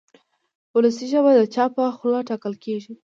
وولسي ژبه د چا په خوله ټاکل کېږي.